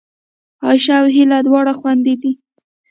عایشه او هیله دواړه خوېندې دي